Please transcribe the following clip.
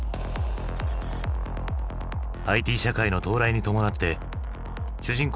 ＩＴ社会の到来に伴って主人公